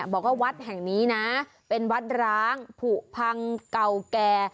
บอกว่าวัดแห่งนี้นะเป็นวัดร้างผูพังเก่าแก่